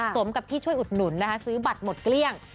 สมกับที่ช่วยอุดหนุนนะคะซื้อบัตรหมดเกลี้ยง